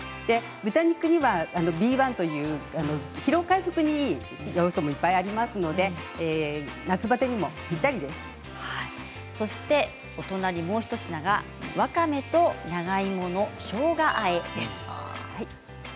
豚肉には、Ｂ１という疲労回復にいい栄養素もいっぱいありますのでお隣もう一品がわかめと長芋のしょうがあえです。